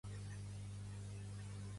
Hi serà avui el guapo del tren?